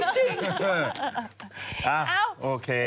จริง